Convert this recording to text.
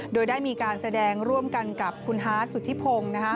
โดยได้มีการแสดงร่วมกันกับคุณฮาร์ดสุธิพงศ์